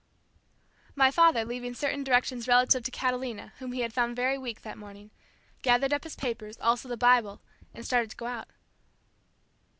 My father leaving certain directions relative to Catalina whom he had found very weak that morning, gathered up his papers, also the Bible, and started to go out.